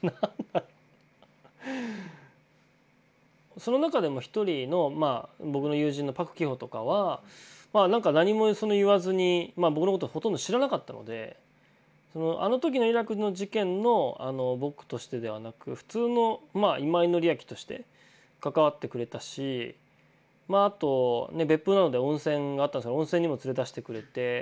その中でも一人のまあ僕の友人のパクキホとかは何も言わずにまあ僕のことほとんど知らなかったのであの時のイラクの事件の僕としてではなく普通の今井紀明として関わってくれたしあと別府なので温泉があったんですけど温泉にも連れ出してくれて。